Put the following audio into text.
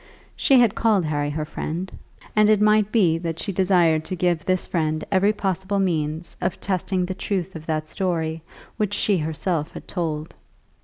She had called Harry her friend, and it might be that she desired to give this friend every possible means of testing the truth of that story which she herself had told.